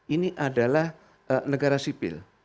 ini adalah negara sipil